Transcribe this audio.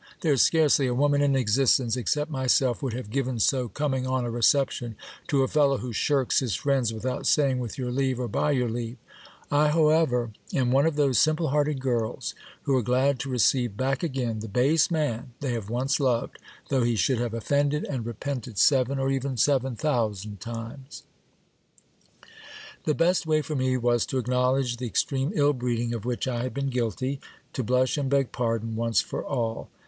There is scarcely a woman in exist ence except myself, would have given so coming on a reception to a fellow who shirks his friends without saying with your leave or by your leave. I however am one of those simple hearted girls, who are glad to receive back again the base man they have once loved, though he should have offended and repented seven, or even seven thousand times. LAURA'S STORY. 241 The best way for me was to acknowledge the extreme ill breeding of which I had been guilty, to blush and beg pardon once for all.